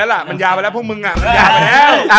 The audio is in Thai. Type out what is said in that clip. เออมันยาวไปแล้วพวกมึงมันยาวไปแล้ว